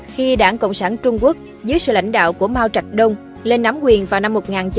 khi đảng cộng sản trung quốc dưới sự lãnh đạo của mao trạch đông lên nắm quyền vào năm một nghìn chín trăm bảy mươi